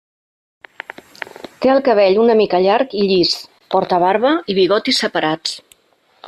Té el cabell una mica llarg i llis, porta barba i bigoti separats.